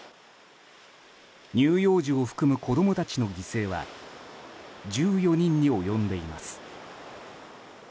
乳幼児を含む子供たちの犠牲は１４人に及んでいます。